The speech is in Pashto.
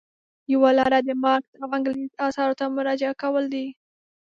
یوه لاره د مارکس او انګلز اثارو ته مراجعه کول دي.